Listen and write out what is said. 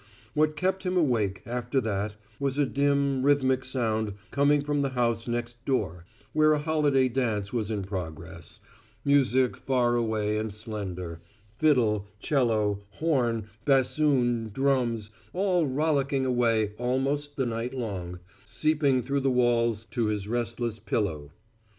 What kept him awake, after that, was a dim, rhythmic sound coming from the house next door, where a holiday dance was in progress music far away and slender: fiddle, 'cello, horn, bassoon, drums, all rollicking away almost the night long, seeping through the walls to his restless pillow.